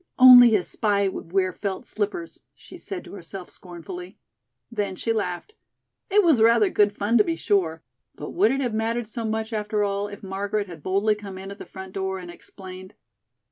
"Only a spy would wear felt slippers," she said to herself scornfully. Then she laughed. "It was rather good fun to be sure, but would it have mattered so much, after all, if Margaret had boldly come in at the front door and explained?"